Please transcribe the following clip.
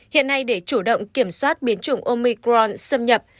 hiện nay để chủ động kiểm soát biến chủng omicron xâm nhập